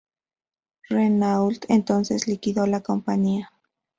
Renault entonces liquidó la compañía.